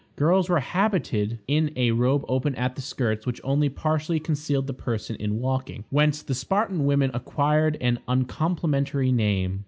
Girls were habited in a robe open at the skirts, which only partially concealed the person in walking, whence the Spartan women acquired an uncomplimentary name.